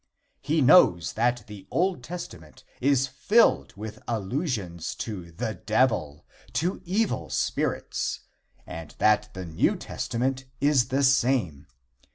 He knows that the Old Testament is filled with allusions to the Devil, to evil spirits, and that the New Testament is the same.